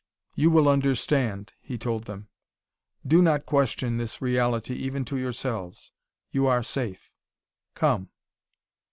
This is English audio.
"You will understand," he told them. "Do not question this reality even to yourselves. You are safe!... Come."